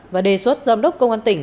và đề xuất giám đốc công an tỉnh